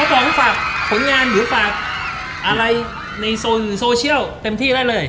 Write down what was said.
ป๋องฝากผลงานหรือฝากอะไรในโซเชียลเต็มที่ได้เลย